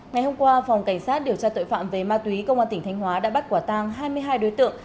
ngày hôm qua phòng cảnh sát điều tra tội phạm về ma túy công an tỉnh thanh hóa đã bắt quả tang hai mươi hai đối tượng